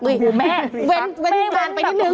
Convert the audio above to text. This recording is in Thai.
เออแม่แม่วันไปที่หนึ่ง